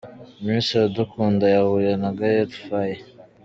Miss Iradukunda yahuye na Gael Faye.